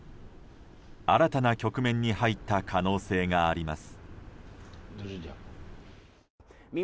新たな局面に入った可能性があります。